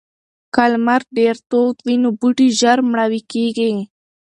که لمر ډیر تود وي نو بوټي ژر مړاوي کیږي.